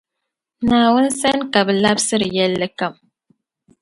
Naawuni sani ka bɛ labsiri yεllikam.